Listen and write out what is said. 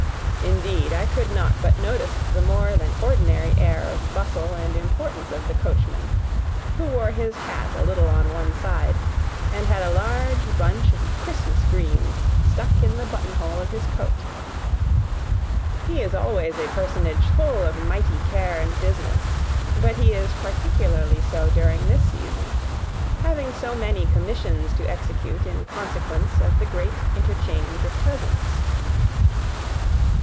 Indeed, I could not but notice the more than ordinary air of bustle and importance of the coachman, who wore his hat a little on one side, and had a large bunch of Christmas greens stuck in the button hole of his coat. He is always a personage full of mighty care and business, but he is particularly so during this season, having so many commissions to execute in consequence of the great interchange of presents.